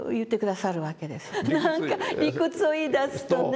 何か理屈を言いだすとね。